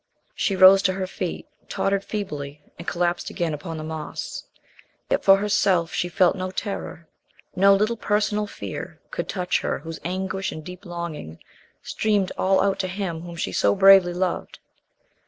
She rose to her feet, tottered feebly, and collapsed again upon the moss. Yet for herself she felt no terror; no little personal fear could touch her whose anguish and deep longing streamed all out to him whom she so bravely loved.